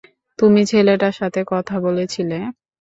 তুমি ছেলেটার সাথে কথা বলেছিলে?